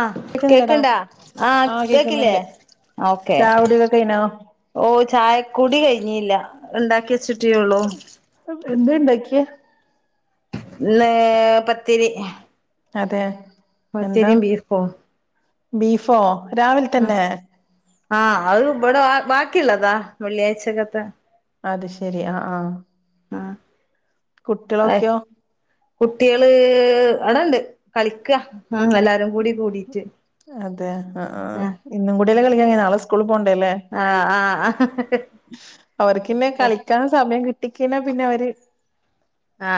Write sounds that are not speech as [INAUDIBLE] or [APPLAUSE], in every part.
ആഹ് കേക്കുന്നില്ലടാ കേക്ക്ണ്ടാ ആഹ് കേക്കില്ലെ ഓക്കേ ചായകുടിയൊക്കെ കഴിഞ്ഞോ ഓ ചായക്കുടി കഴിഞ്ഞില്ല ഇണ്ടാക്കി വെച്ചിട്ടേള്ളൂ എന്ത് ഇണ്ടാക്കിയെ ഇന്ന് പത്തിരി അതെ എന്താ പത്തിരീം ബീഫോ ബീഫോ രാവിലെ ഉം തന്നെ ആ അഅ് ഇബടെ ബാ ക്കിള്ളതാ വെള്ളിയാഴ്ചകത്തെ അത് ശെരി ആ ആ ആ അ് കുട്ട്യേള് അടണ്ട് കളിക്ക ഉം എല്ലാരുംകൂടി കൂടി അതെ അ ആ ആഹ് ഇന്നും കൂടെല്ലെ കളി [UNINTELLIGIBLE] നാളെ സ്കൂള് പോണ്ടെല്ലെ ആഹ് ആഹ് അവർക്കിന്നെ കളിക്കാനു സമയം കി പടിക്കിണ പിന്നെവര് ആ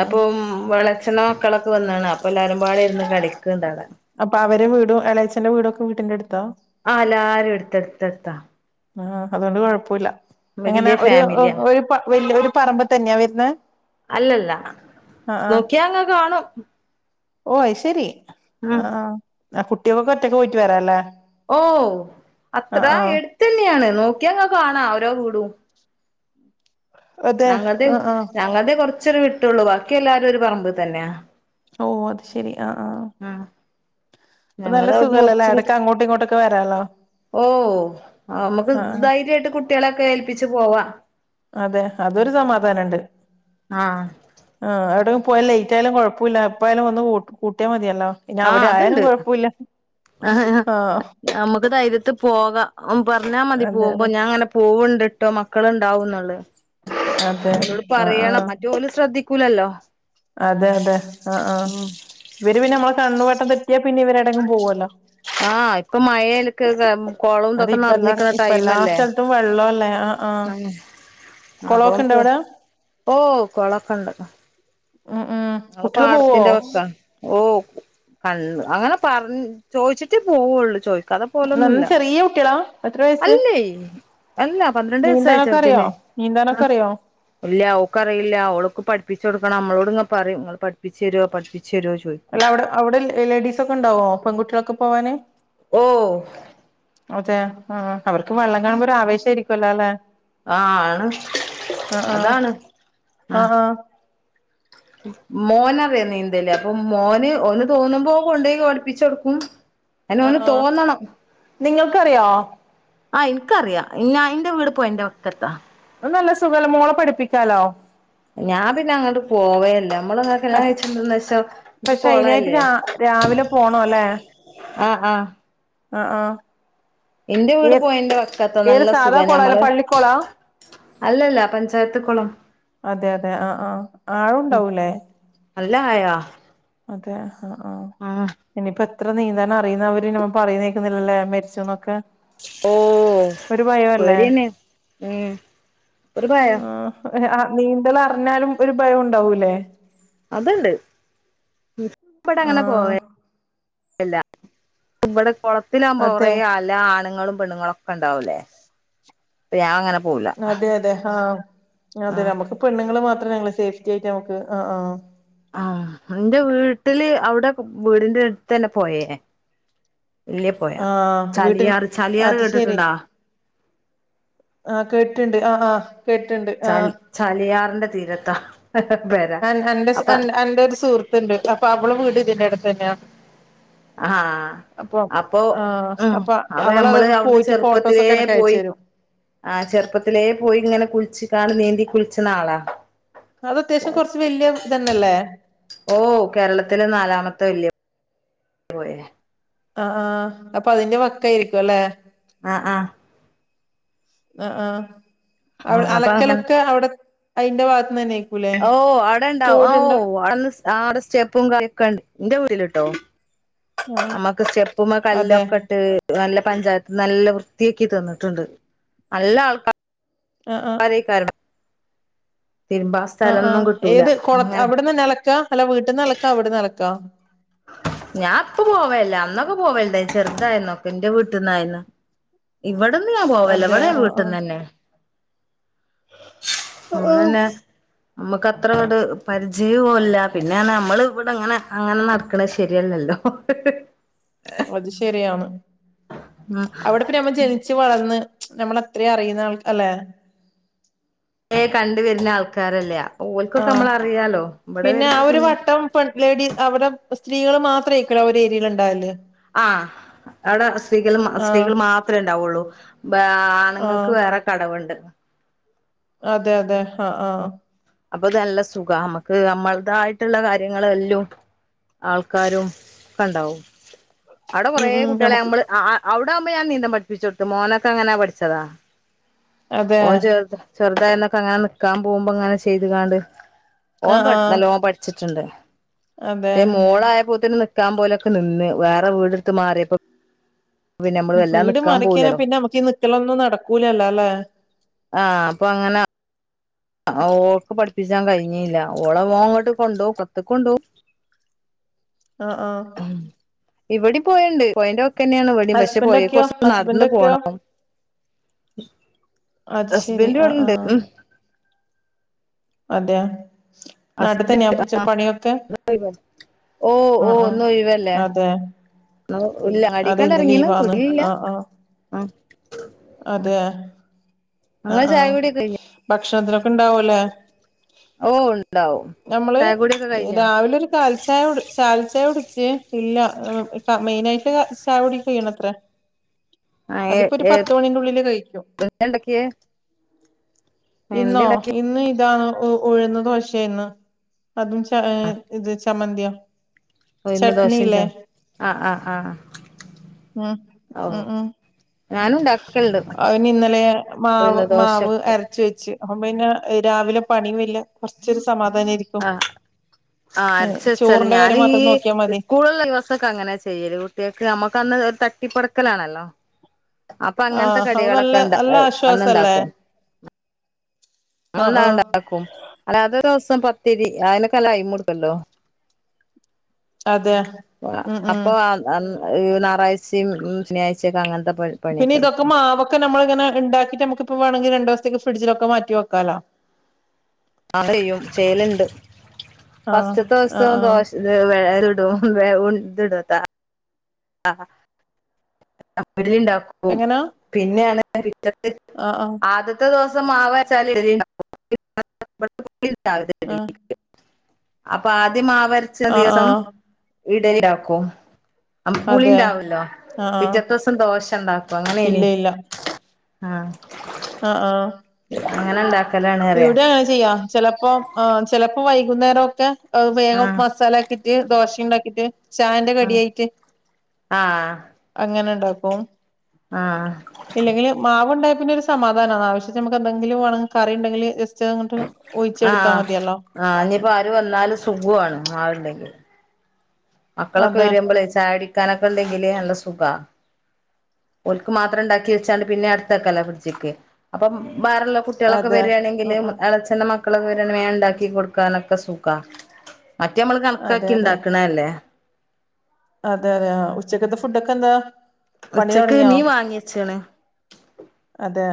അപ്പം വെളെ- ച്ചന്റെമക്കളൊക്കെ വന്നാണ് അപ്പൊ എല്ലാവരുംപാ ടിര്ന്ന് കളിക്ക്ണ്ടാടെ അപ്പൊ അവരെ വീടും എളേച്ചെന്റെ വീടൊക്കെ വീട്ടിന്റ ട്ത്താ ആ എല്ലാരും എട്ത്തട്ത്തട്ത്താ ആ അതുകൊണ്ട് കൊഴപ്പൂല്ല അങ്ങനെ ഒരു ഫാമിലിയാ ഒരു പ വല്യ ഒരു പറമ്പിതന്നാ വെര്ന്നെ അല്ലല്ല ആ ആ നോക്കിയാങ്ങ് കാണും ഉം ഓ അഅ് ശെരി ആ ആ കുട്ട്യേക്കൊക്കെ ഒറ്റക്ക് പോയിട്ട് വരാല്ലേ ഓ അത്ര ആഹ് ആഹ് എട്ത്തെന്യേണ് നോക്ക്യാങ്ങ് കാണാ ഓരോ വീടും അതെ ഞങ്ങൾത് ആഹ് ആഹ് ഞങ്ങൾക് കൊർ ചൊരു വിട്ടൊള്ളൂ ബാക്കി എല്ലാവാരും ഒരു പറമ്പ് തന്നെ ഓ അത് ശെരി ആ ആ ഉം സുഖല്ലല്ലേ എടക്ക് അങ്ങോട്ടും ഇങ്ങോട്ടൊക്കെ വരാലോ ഓ നമക്ക് ആഹ് ആഹ് ധൈര്യയിട്ട് കുട്ട്യേളെക്കെ ഏൽപ്പിച്ച് പോവാ അതെ അതൊരു സമാധാനണ്ട് ആഹ് ആ അവിടെ പോയാ ലെയ്റ്റായാലും കൊഴപ്പൂല്ല എപ്പയാലും വന്ന് കൂ കൂട്ട്യാ മതിയ ല്ലോ പിന്നെ ആഹ് അവിടെ ആയാലും അതുണ്ട് കൊഴപ്പൂല്ല ആ ക്ക് ധൈര്യത്ത്പോകാം ഉം പർഞ്ഞാ മതി അതെ അതെ പോവുമ്പം ഞാ ങ്ങനെ പോവ്ണ്ട് ട്ടോ മക്കള് ഉണ്ടാവുന്നുള്ളത്. അതെ അവളോട് ആഹ് പറയണം ആഹ് മറ്റ് ഓള് ശ്രദ്ധിക്ക ക്കൂല്ലല്ലോ? അതെ അതെ ആ ആ ഇവര് പിന്നെ നമ്മള് കണ്ണുവെട്ടത്ത് ആ ഇപ്പൊ മഴലക്ക് കുളവും അത് ഇതൊക്കെ ഇപ്പ എല്ലാ നിറഞ്ഞിക്കണ ഇപ്പ എല്ലാ ടൈംല്ലേ സ്ഥലത്തും വെള്ളല്ലേ ആ ആ ആ കുളമൊക്കെ ഇണ്ട അപ്പ അവിടെ ഓ കൊളമൊക്കെണ്ട്. ഉം ഉം ആ കുട്ടികള് പോവോ പാടത്തിന്റെ വക്കാ. ഓ ക അങ്ങനെ പറഞ് ചോയിച്ചിട്ടേ പോവുള്ളു. ചോയി നല്ല ചെറിയ കുട്ടികളാ? എത്ര വയസ്സ് അല്ല പന്ത്രണ്ട് നീന്താനൊക്കെ അറിയോ വയസായിചെറുതിന് നീന്താനൊക്കെ അറിയോ ഇല്ല ഓക്കറിയില്ല ഒളക്ക് പഠ പഠപ്പിച്ചുകൊടുക്കണം നമ്മളോട് ഇങ്ങങ് പറയും നിങ്ങള് പഠിപ്പിച്ചു തരുവോ? പഠി അല്ല അവിടെ അവിടെ ലേഡീസ് ഒക്കെ ഉണ്ടാവോ? പെൺകുട്ടളൊക്കെ പോവാനെ ഓ അതെ ആ അവർക്ക് വെള്ളം കാണുമ്പോ ഒരു ആവേശ ആരിക്കുവല്ലോ അല്ലെ? ആ ആണ് ആ ആ അതാണ് ആ മോനറിയാ നീന്തല് അപ്പൊ മോന് ഒന്ന് തോന്നുമ്പോ കൊണ്ടപോയി പഠപ്പിച്ചുകൊടുക്കും. ആ ആ നിങ്ങൾക്കറിയോ? ആ എനിക്കറിയാം ഞ അയിൻന്റെ വീട് പോയ എറെ വക്കത്താ നല്ല സുഖലമോളെ പഠിപ്പിക്കാലോ ഞാൻ പിന്നെ അങ്ങോട്ട് പോവയല്ലോ പക്ഷെ പക്ഷെ അയിനായിട്ട് കൊളല്ലേ രാവിലെ പോണ അല്ലെ ആഹ ആഹ ആഹ ആഹ വീട് ഏ പൊഴന്റെ വക്കത്താ ഏത് നല്ല സാധാ സുഖാ കൊള അല്ല ഞമ്മള് പള്ളിക്കോളാ അല്ലല്ല പഞ്ചായത്ത് കുളം അതെ അതെ ആഹ ആഹ് ആഴുണ്ടാവല്ലേ അല്ല ആോ അതെ ആഹ ആഹ ഇനിപ്പൊ ഇത്ര നീന്താൻ അറിയുന്നവര് നമ്മ അറിയുന്നേക്കുന്നില്ലല്ലേ മരിച്ചു എന്നൊക്കെ ഓ പേടി ആണ് ഒരു ഭയം ആഹ് നീന്തൽ അറിഞ്ഞാലും ഒരു ഭയം ഉണ്ടാവൂല്ലേ അതണ്ട് ആഹ എവുടെ കുളത്തിലാവകുമ്പോ കുറെേ അതെ എല്ലാ ആണുങ്ങളും പെണ്ണ്ങ്ങളൊക്കെണ്ടാവൂലേ പ്പ ഞാങ്ങനെ അതെ അതെ ആ അതെ ആഹ് നമ്മക്ക് പെണ്ണുങ്ങൾ മാത് സേഫ്റ്റി ആയിട്ട്മക്ക് ആ ആ ആ എന്റെ വീട്ടില് അവിടെ വീടിന്റെ അടുത്ത് തന്നെ പൊയേ വല്യ പൊയ ആ വീട്ടന് ചാലിയാർ ചാലിയാർ അത് ശെരി കേട്ടിട്ടുണ്ടോ ആ കേട്ടിണ്ട് ആ ആ ചാലി ചലിയാറിന്റെ തീരത്താ പെര അപ്പൊ എന്റെ ഒരു സുഹൃത്തുണ്ട് അപ്പൊ അവള് വീട് ഇതിന്റെടു പിന്നോ ആ അപ്പോ ആഹ് അപ്പൊ അ അവള നമ്മള് അതവിടെ അവിടുന്ന് പോയിട്ട് ചെറുപ്പത്തിലേ ഫോട്ടോസൊക്കെ എനക്ക് അയച്ചു പോയി തരും ആ ചെറുപ്പത്തിലേ പോയി ഇങ്ങനെ കുളിച്ചി കാ നീന്തി കുളിച്ചണാളാ അത് അത്യാവശ്യം കുറച്ച് വല്യ ഇതന്നെല്ലേ ഓ കേരളത്തില് നാലാമത്തെ വല്യ പൊയ ആ ആ അപ്പൊ അതിന്റെ വക്കായിരിക്കുവല്ലേ ആ ആ ആ ആ അവ് ഉം അപ്പൊ അങ്ങനെ അലക്കലൊക്കെ അവിടെ അയിന്റെ ഭാഗത്ത്ന്നെന്നെ ഓ അവിടെ ണ്ടാവും ഓ അവിടെഅ സ്റ്റെപ്പും കല്ലും ഒക്കെയുണ്ട് എൻ്റെ വീട്ടിലുണ്ട് ണ്ടോ ആഹ് നമുക്ക് സ്റ്റെപ്പിമ്മെ അതെ കല്ലൊക്കെട്ട് നല്ല പഞ്ചായത്ത് നല്ല വൃത്തിയാക്കി തന്നിട്ടുണ്ട് ആ ആ ആൾക്കാരേക്കാരം തിരുമ്പാൻ അ അ സ്ഥലൊന്നും കിട്ടൂല ഏത് കൊള അങ്ങനെ അവിടുന്ന് തന്നെ അലക്ക അല്ല വീട്ടീന്ന് അലക്ക അവിടുന്ന് അലക്ക ഞാൻ പ്പം പോവല്ല അന്നൊക്കെ പോവല്ണ്ടേരുന്നു ചെറുതായിരുന്നപ്പം ഇൻ്റെ വീട്ടിന്നു ഇവിടുന്ന് ഞാൻ പോവല്ല അതെ ഇവിടെ ആഹ് വീട്ടിന്നെ ന്നെ [UNINTELLIGIBLE] ആഹ് നമുക്ക് അത്ര ങ്ങട്ട് പരിചയവുല്ല പിന്നെ ഞമ്മൾ ഇവിടങ്ങനെ അങ്ങനെ നടക്കും നടക്കണ ശരിയല്ലല്ലോ ഹ് ഹ് അത് ശെരിയാണ് ഉം അവിടെ ഇപ്പം നമ്മൾ ജനിച്ച് വളർന്ന് നമ്മൾ അത്രേം അറിയുന്ന ആൾ അല്ലേ ഏ കണ്ട് വര്ണ ആൾക്കാരല്ല ഓർക്കൊക്കെ ആഹ് നമ്മളെ അറിയാല്ലോ ഇവിടെ ആ വെരുമ്പം ഒരു പിന്നെ വട്ടം പെൺ ലേഡീ അവിടെ സ്ത്രീകൾ മാത്രം നിൽക്കുന്ന ഏരിയ ഉണ്ടായില്ലേ ആഹ് അവിടെ ആഹ് സ്ത്രീകൾ മാത്രേ ഉണ്ടാവുള്ളു ആണുങ്ങൾക്ക് വേറെ കടവ് ഉണ്ട് അതെയതെ ആ ആ അപ്പം നല്ല സുഖമാ നമുക്ക് നമ്മുടേതായിട്ടുള്ള കാര്യങ്ങളും എല്ലാംആൾക്കാരും ഒക്കെ ഉണ്ടാവും അവിടെ ഉം കുറെ ഉം കുട്ടികളെ നമുക്ക് നമ്മൾ ആ ആ അവി നടക്കാറായപ്പം നീന്താൻ പഠിച്ചു കൊടുത്തു മോനെയൊക്കെ അങ്ങനെ പഠിപ്പിച്ചതാ അതെ ഓൻ ആഹ് ചെറുത് അങ്ങനെ നിൽക്കാൻ പോകുമ്പം ചെയ്ത് കാണുന്നുണ്ട് ഓൻ ആഹ് നല്ലോണം പഠിച്ചു ഉണ്ട് അതെ പിന്നെ മോളായപ്പം നിൽക്കാൻ പോകലൊക്കെ നിന്ന് വേറെ വീടെടുത്ത് മാറിയപ്പം പിന്നെ നമ്മളല്ലാതെ വീട് നിൽക്കാൻ മാറിക്കഴിഞ്ഞ പോകൂലല്ലോ പിന്നെ നമുക്ക് ഈ നിക്കലൊന്നും നടക്കൂലല്ലോ അല്ലേ ആഹ് അപ്പൊ അങ്ങനെ വിസ കഴിഞ്ഞില്ല ഓളെ ഓനങ്ങോട്ട് കൊണ്ടുപോകും പോർത്ത ക്ക് കൊണ്ട് പോകും ആ ആ ഇവിടി പോയണ്ട് പോയിന്റെ ന്നെയാണ് വേട പക്ഷെ ഹസ്ബൻഡ് പോയി ഒക്കെയോ കൊറച്ച നടന്ന ഹസ്ബൻഡ് ഒക്കെയോ പോണം അത് ശെരി ഹസ്ബൻഡ ആഹ് വിടെണ്ട് ആഹ് ഉ അതെ നാട്ടിൽ തന്നെയാ ഹസ്ബൻഡ് ആ പണിയൊക്കെ ഓ ഓ ആഹ് ആഹ് നൊയിവല്ലേ അതെ ന ഇല്ല അതെ അടിക്കാണ്ട ഇന്ന് ഇറങ്ങീന ലീവാണ് തുടില്ല ആഹ് ആഹ് ആ അതെ ആ ഇങ്ങളെ ചായകുടിയൊക്കെ കഴിഞ്ഞോ ആഭക്ഷണത്തിനൊക്കെ ഇണ്ടാവുംല്ലേ ഓ ഇണ്ടാവും നമ്മള് ചായകുടിയൊക്കെ കഴിഞ്ഞോ രാവിലെ ഒരു കാൽചായ കാൽ ചായ ഉ ഇല്ല മെയിന ആയിട്ട് ചായകുടി ഇല്ല അത്ര ആഹ് എ അതിപ്പോൊ ഒരു എ പത്ത മണീന്റെള്ളില് കഴിക്കും എന്താ ഇണ്ടാക്കിയേ എന്തേ ഇന്നോ ഇണ്ടാക്കി ഇന്ന് ഇ ഇതാണ് ഉഴുന്നത് ദോശ ആയിന്ന് അതും ച ഇത് ചമ്മന്തി [INAUDIBLE] ന്ന് ദോഷം ച ആ ആഹ് ആഹ് ഓ ഞാനും ഉണ്ടാക്കലുണ്ട് അയ്ന് ഇന്നലെ മാവ് ഉഴുന്ന് മാവ് ദോശൊക്കെ അരച്ച് വെച്ച് അപ്പ പിന്നെ രാവിലെ പണിയുംല്ല കുറച്ചൊരു സമാധ ആഹ് ആ അരച്ച് വെച്ചാല് ചോറിന്റെ ഞാൻ കാര്യം ഈ മാത്രം നോക്കിയാ മതി സ്കൂളള്ള ദിവസമൊക്കെ അങ്ങനെ ചെയ്യല് കുട്ടിയക്ക് നമ്മുക്ക്ന്ന് ഒരു ത ട്ടിപ്പറക്കലാണല്ലോ അപ്പൊ അങ്ങനത്തെ ആഹ് അത് നല്ല കടികളൊക്കെ ഇണ്ട നല്ല അന്ന് ആശ്വാസല്ലേ ഇണ്ടാക്കും ആഹ് ന്നാ ആഹ് ഉണ്ടാക്കും അല്ലാത്ത ദിവസം പ ത്തിരി ആയിനക്കല്ല യിമൂടുക്കല്ലോ അതെ ഉം ഉം അപ്പൊ അ ഞായറാഴ്ചയും ശനിയാ്ചൊക്കെ അങ്ങനത്തെ ഫുഡാ പിന്നെ ഇതൊക്കെ മാവൊക്കെ നമ്മള് ങ്ങനെ ഉണ്ടാക്കി്ട്ടെപ്പ വേണമെങ്കിലു സ്ഥക്ക് ഫ്രിഡ്ജിലൊക്കെ മാറ്റി വെക്കാലാ ആ ചെയ്യും ചെയ്യലുണ്ട് ആഹ് ഫസ്റ്റ് ആഹ് ദിവസം ആഹ് ദോശ വ ഉ ദുടത്ത ആഹ് ആ ഉണ്ടാക്കും എങ്ങനാ പിന്നെ ശരി ആഹ് ആഹ് ആദ്യത്തെ ദിവസം പ്പം മാവാച്ചാല് ആഹ് [UNINTELLIGIBLE] അപ്പൊ അത് ആദ്യം മാവരച്ച ആഹ് ദിവസം ആഹ് ഇ ഡല്യാക്കും അമ്മ അതെ പുളിണ്ടാവല്ലോ ആഹ് ആഹ് പിറ്റത്തെ ദിവസം ദോശ ഇണ്ടാക്കും അങ്ങനെനി ആഹ് ആഫ് ആഹ് അങ്ങനെ ഉണ്ടാ ഇവിടെ അങ്ങനെ ചെയ്യാ ചെലപ്പോ ആ ചെല അപ്പ വൈകുന്നേരൊക്കെ അത് വേഗം ആഹ് മസാലിട്ട കേറി ദോശ ഉണ്ടാക്കിയിട്ട് ചായേന്റി കടിയായിട്ട് ആഹ അങ്ങനെ ഉണ്ടാക്കും ആഹ് ക്ക [UNINTELLIGIBLE] ഇല്ലെങ്കില് മാവ്ുണ്ടായ പിന്നെ ഒരു സമാധാനമാണ്ോ ആവശ്യച്ച് നമുക്ക് എന്തെങ്കില വേറെ കറിണ്ടങ്ക ആഹ ആ ഇനിയിപ്പോ ആര് വന്നല് സുഖമാണ് ആവിണ്ടെങ്കിൽ മക്കളൊക്കെ അതെ വരുമ്പോളേ ചാടി ഉണ്ടെങ്കില് നല്ല സുഖ ഒലുക്ക് മാത്രം ഉണ്ടാക്കി വെച്ചാണ്ട് പിന്നെ അടുത്തക്കല ഫ്രിഡ്ജിക്ക് അപ്പം ബ [UNINTELLIGIBLE] കുട്ടികളൊക്കെ അതെ വരിുകയാണെങ്കിൽ ഉം ഉം ച്ചെെന്നക്ക [UNINTELLIGIBLE] മക്കലൊക്കെ വരാങ്കിൽ ഉൺ ണ്ടാക്കി കൊടുക്കാനൊക്കെ സുഖാ മറ്റേ നമ്മൾ അതെ കണക്കാക്കി അതെ ഉണ്ടാക്കണ അല്ലേ അതെ അതെ ഉച്ചക്കത്തെ ഫുഡ്ൊക്കെ എന്താ പണി ഉച്ചക്ക് തൊടങ്ങിയോ മീൻ വാങ്ങിയച്ചാണ് അതെ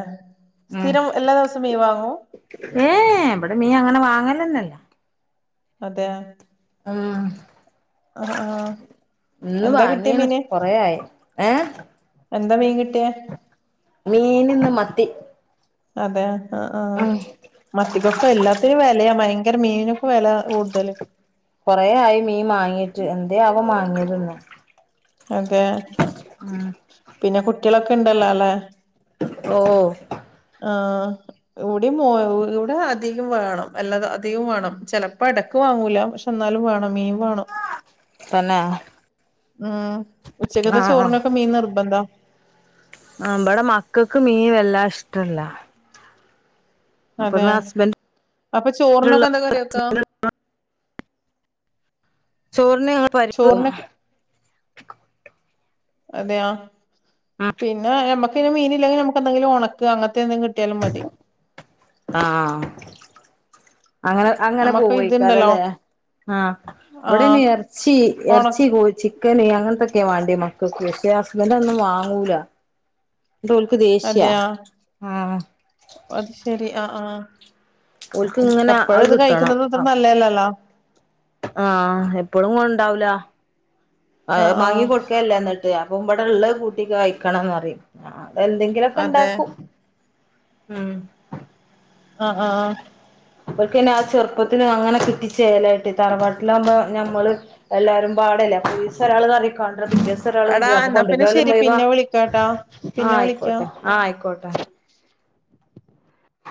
ഉം, സ്ഥിരം എല്ലാ ദിവസവും മീൻ വാങ്ങും ഉം. ഇവിടെ മീൻ അങ്ങനെ വാങ്ങ ല്ല അതെ ആ ആ ആ ഇന്ന് എന്താ കിട്ടിയ വാങ്ങീണ് മീന് കൊറയായി ഏ എന്താ മീൻ കിട്ടിയേ മീൻ ഇന്ന് മ മത്തി അതെ ആ ആ ഉം മത്തിക്കൊക്കെ എല്ലാത്തിനും വിലയാ ഭയ ഭയങ്കരാ മീനിനോ കൊറ ആയി മീൻ മാങ്ങിട്ട അത് അവൻ വാങ്ങിരുന്നു അതെ പിന്നെ കു കുട്ട്യാളൊക്കെണ്ടല്ല അല്ലെ ഓ ആഹ ഇവിടെ മോ ഇവിടെ അധികം വേണം അല്ലാതെ അധികം വേണം ചിലപ്പോ എടക്ക് വാങ്ങൂല പക്ഷെ എന്നാലും വേണം മീ വേണം തന്നെ ആഹ ഉച്ചക്ക്ത്തെ ചോറിനൊക്കെ മീൻ നിർബന്ധാ നമ്മടെ മക്കൾക്ക് മീൻ വല്ലാ ഇഷ്ടല്ല അതെ അപ്പൊന്ന് ഹസ്ബൻഡ് അപ്പൊ ഉള്ള ചോറിനൊക്കെ എന്ത കറിവക്കാ ചോറിന് ഞങ്ങള് പരിപ്പ് വെക്കും അതെയാ പിന്നേ യ നമ്മക്ക് പിന്നെ മീന് ഇല്ലെങ്കിൽ നമുക്ക് എന്തെങ്കിലും ഒണക്ക്‌ അങ്ങൻത്തെ എന്തെലും കിട്ടിയാലും മതി ആ അങ്ങനെ അങ്ങനെ നമ്മക്ക് ഇതുണ്ടല്ലോ പോവുഐക്കാരംല്ലേ ആ ആഹ് ഇവിടെന്നി എർച്ചി എർച്ചി ഒണക്ക കോയി ചിക്കന് അങ്ങനത്തെ ക്കേ വാണ്ടി മക്കക്ക്‌ ക്കെ ഹസ്ബന്റ് ഒന്നും വാങ്ങൂല ട്ടോൽക്ക് ദേഷ്യ അതെയാ ആ അത് ശരി ആഹ് ആ ഓൽക്ക് ഇങ്ങനെ എപ്പോഴും അത് ഇത് കഴിക്കുന്നത് അത്ര നല്ലേല്ലല്ലോ ആ എപ്പളും കൊണ്ടാവൂലാ ആ ആഹ് മാങ്ങി ആഹ് കൊടുക്കെല്ല എന്നിട്ട് അപ്പവെടെള്ളെത് കൂട്ടിക്കഴിക്കണംന്ന് പറിം എന്തെങ്കിലുമൊക്കെ അതെ ണ്ടാക്കും ഉം ആ ആ ഇവൽക്ക് പി ന്നെ ആ ചെറുപ്പത്തിന് അങ്ങനെ കിട്ടിച്ചേലായിട്ട് തറവാട്ടിലാകുമ്പോ ഞമ്മള് എല്ലാരും പാടല്ലെ ഒരീസം ഒരാള്കറിക്കാനും പിറ്റേസം ഒരാള് എടാ കൊണ്ടരും അപ്പൊ എന്നാ പിന്നെ കൊണ്ടര്നാല് ശരി മുയ് വാ പിന്നെ വിളിക്കാട്ടാ ആ പിന്നെ വിളിക്കാം ആയിക്കോട്ടെ ആ ആയിക്കോട്ടെ